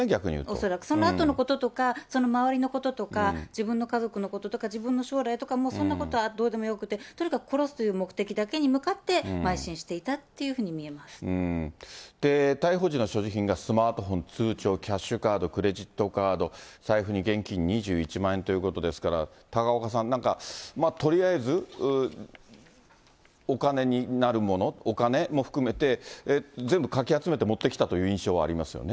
恐らく、そのあとのこととか、その周りのこととか、自分の家族のこととか、自分の将来とか、そんなことはどうでもよくて、とにかく殺すという目的ということだけに向かってまい進していた逮捕時の所持品がスマートフォン、通帳、キャッシュカード、クレジットカード、財布に現金２１万円ということですから、高岡さん、なんかとりあえずお金になるもの、お金も含めて、全部かき集めて持ってきたという印象はありますよね。